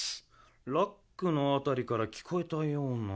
ラックのあたりからきこえたような。